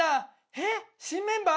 「えっ新メンバー？」。